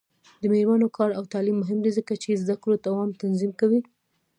د میرمنو کار او تعلیم مهم دی ځکه چې زدکړو دوام تضمین کوي.